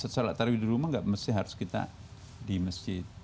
sholat tarawih di rumah nggak mesti harus kita di masjid